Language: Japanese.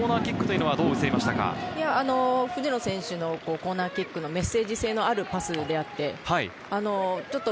藤野選手のコーナーキックのメッセージ性のあるパス。